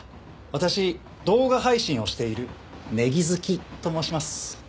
私動画配信をしているネギズキと申します。